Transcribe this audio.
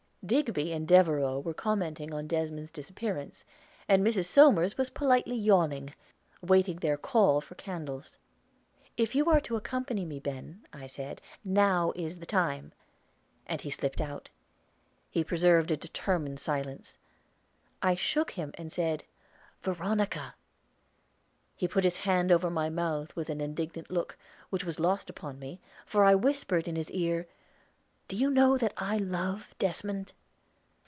Digby and Devereaux were commenting on Desmond's disappearance, and Mrs. Somers was politely yawning, waiting their call for candles. "If you are to accompany me, Ben," I said, "now is the time." And he slipped out. He preserved a determined silence. I shook him, and said "Veronica." He put his hand over my mouth with an indignant look, which was lost upon me, for I whispered in his ear; "Do you know now that I love Desmond?"